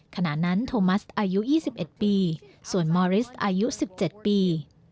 ขณะนั้นโทมัสอายุ๒๑ปีส่วนมอริสอายุ๑๗ปี